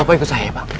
bapak ikut saya ya pak